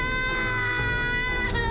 apun tuh si population